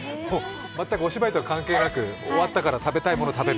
全くお芝居とは関係なく終わったから食べたいものを食べる。